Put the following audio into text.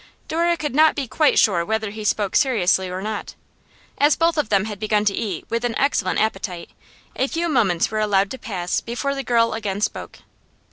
Dora could not be quite sure whether he spoke seriously or not. As both of them had begun to eat with an excellent appetite, a few moments were allowed to pass before the girl again spoke.